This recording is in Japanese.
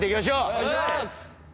お願いします！